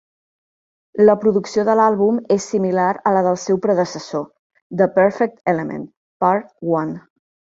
La producció de l'àlbum és similar a la del seu predecessor, "The Perfect Element, part I".